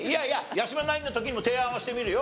八嶋ナインの時にも提案はしてみるよ？